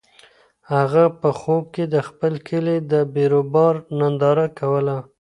هغه په خوب کې د خپل کلي د بیروبار ننداره کوله.